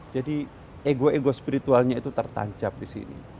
jadi ego ego spiritualnya itu tertancap disini